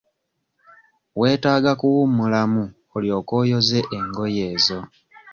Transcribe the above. Weetaaga kuwummulamu olyoke oyoze engoye ezo.